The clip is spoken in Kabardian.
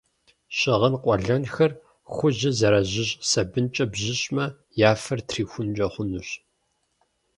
Щыгъын къуэлэнхэр хужьыр зэражьыщӏ сабынкӏэ бжьыщӏмэ, я фэр трихункӏэ хъунущ.